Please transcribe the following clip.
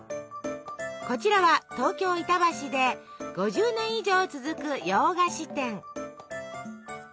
こちらは東京板橋で５０年以上続く洋菓子店。